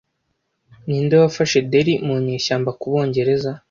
Ninde wafashe Delhi mu nyeshyamba ku Bongereza